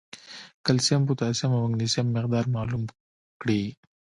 کېلشیم ، پوټاشیم او مېګنيشم مقدار معلوم کړي